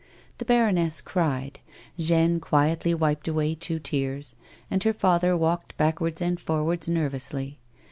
The baroness cried, Jeanne quietly wiped away two tears, and her father walked backwards and forwards nervonsly.